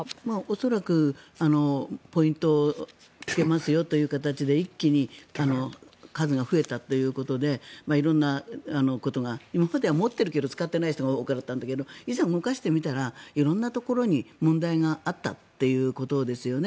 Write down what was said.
恐らくポイントつけますよという形で一気に数が増えたということで色んなことが今までは持っているけど使ってない人が多かったんだけどいざ動かしてみたら色んなところに問題があったということですよね。